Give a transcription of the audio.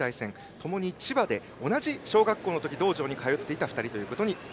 ともに千葉で小学校のとき同じ道場に通っていた２人です。